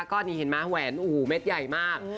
ก็นี่เห็นไหมแหวนโอ้โหเม็ดใหญ่มาก